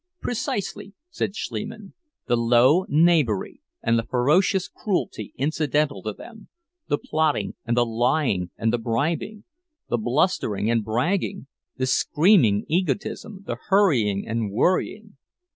"Precisely," said Schliemann; "the low knavery and the ferocious cruelty incidental to them, the plotting and the lying and the bribing, the blustering and bragging, the screaming egotism, the hurrying and worrying.